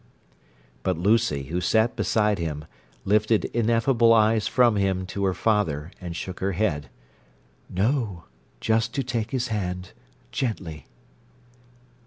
But Lucy, who sat beside him, lifted ineffable eyes from him to her father, and shook her head. "No, just to take his hand—gently!"